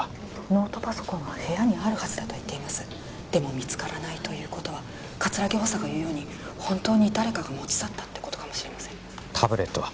ノートパソコンは部屋にあるはずだと言っていますでも見つからないということは葛城補佐が言うように本当に誰かが持ち去ったってことかもしれませんタブレットは？